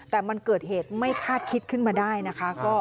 แต่มันเกิดเหตุไม่คาดคิดขึ้นมาได้นะคะ